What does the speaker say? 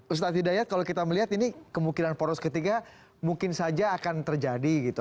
ustadz hidayat kalau kita melihat ini kemungkinan poros ketiga mungkin saja akan terjadi gitu